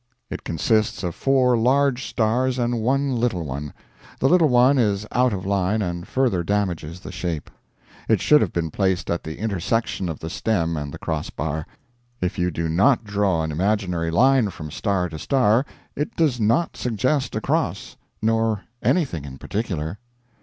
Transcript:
It consists of four large stars and one little one. The little one is out of line and further damages the shape. It should have been placed at the intersection of the stem and the cross bar. If you do not draw an imaginary line from star to star it does not suggest a cross nor anything in particular.